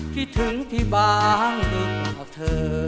พี่ถึงพี่บ้านลูกของเธอ